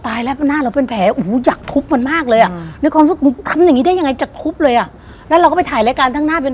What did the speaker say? แสดงว่าเขามีจริงอ่ะเหมือนอย่างที่เราเห็น